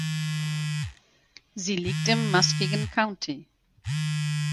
Sie liegt im Muskegon County.